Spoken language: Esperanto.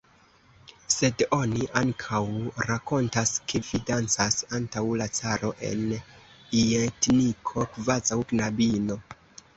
Sed oni ankaŭ rakontas, ke vi dancas antaŭ la caro en ljetniko kvazaŭ knabino!